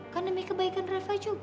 kan demi kebaikan rafa juga